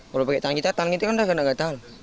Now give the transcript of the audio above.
kalau pakai tangan kita tangan kita kan udah kena gatel